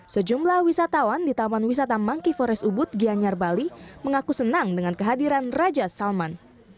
sejumlah wisatawan di taman wisata mangki forest ubud gianyar bali mengaku senang dengan kehadiran raja salman